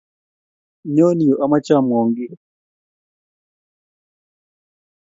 Nyoo yu omoche amwaun kiy